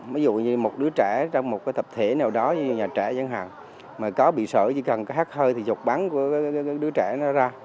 ví dụ như một đứa trẻ trong một tập thể nào đó như nhà trẻ chẳng hạn mà có bị sởi chỉ cần hát hơi thì chọc bắn của đứa trẻ nó ra